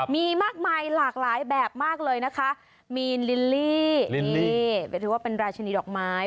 มีมากมายหลากหลายแบบมากเลยนะคะมีลิลลี่เป็นราชนิดอกไม้